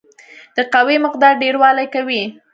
د قوې مقدار ډیروالی کوي.